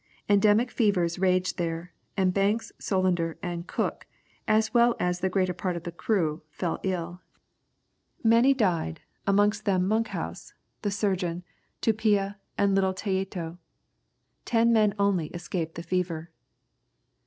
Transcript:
Endemic fevers raged there; and Banks, Solander, and Cook, as well as the greater part of the crew, fell ill. Many died, amongst them Monkhouse, the surgeon, Tupia, and little Tayeto. Ten men only escaped the fever.